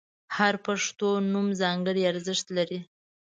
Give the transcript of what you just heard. • هر پښتو نوم ځانګړی ارزښت لري.